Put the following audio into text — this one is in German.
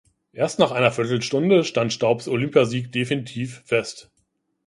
Erst nach einer Viertelstunde stand Staubs Olympiasieg definitiv fest.